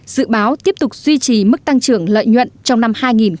dự báo tiếp tục duy trì mức tăng trưởng lợi nhuận trong năm hai nghìn một mươi bảy